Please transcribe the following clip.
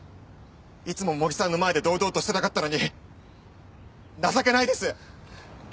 いつも茂木さんの前で堂々としていたかったのに情けないです！